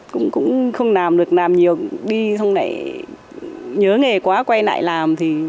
cũng không làm được làm nhiều đi xong lại nhớ nghề quá quay lại làm